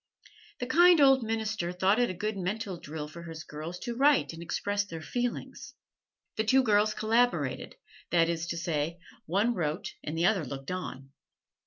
The kind old minister thought it a good mental drill for his girls to write and express their feelings. The two girls collaborated that is to say, one wrote and the other looked on.